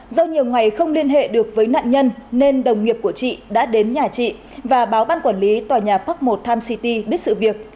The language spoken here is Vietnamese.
do nhiều ngày không liên hệ được với nạn nhân nên đồng nghiệp của chị đã đến nhà chị và báo ban quản lý tòa nhà park một tim city biết sự việc